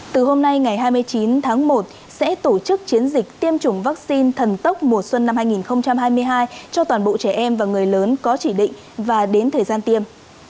từ hôm nay ngày hai mươi chín tháng một sẽ tổ chức chiến dịch tiêm chủng vaccine thần tốc mùa xuân năm hai nghìn hai mươi hai cho toàn bộ trẻ em và người lớn có chỉ định và đến thời gian tiêm